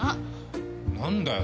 何だよ？